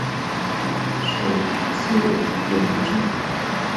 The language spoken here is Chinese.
属晋陵郡。